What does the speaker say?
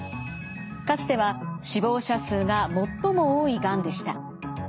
かつては死亡者数が最も多いがんでした。